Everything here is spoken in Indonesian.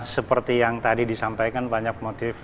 seperti yang tadi disampaikan banyak motif